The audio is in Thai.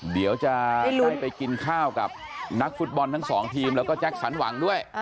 เดี๋ยวจะได้ไปกินข้าวกับนักฟุตบอลทั้งสองทีมแล้วก็แจ็คสันหวังด้วย